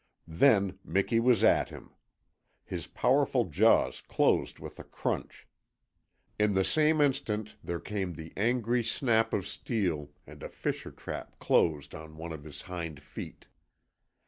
Then Miki was at him. His powerful jaws closed with a crunch. In the same instant there came the angry snap of steel and a fisher trap closed on one of his hind feet.